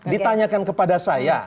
ditanyakan kepada saya